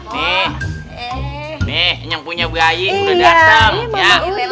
nih nih yang punya bayi udah dateng ya